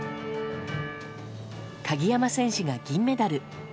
鍵山優真選手が銀メダル。